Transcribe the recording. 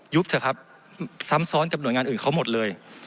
เถอะครับซ้ำซ้อนกับหน่วยงานอื่นเขาหมดเลย